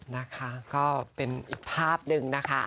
นะคะก็เป็นอีกภาพหนึ่งนะคะ